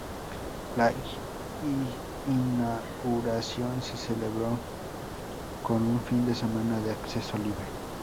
La inauguración se celebró con un fin de semana de acceso libre.